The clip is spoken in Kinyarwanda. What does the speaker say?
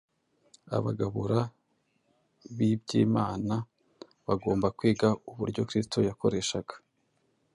Abagabura b’iby’Imana bagomba kwiga uburyo Kristo yakoreshaga.